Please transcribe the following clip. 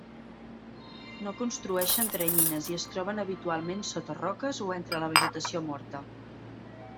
No construeixen teranyines i es troben habitualment sota roques o entre la vegetació morta.